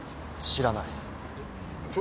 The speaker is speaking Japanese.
知らない。